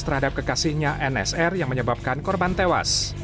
terhadap kekasihnya nsr yang menyebabkan korban tewas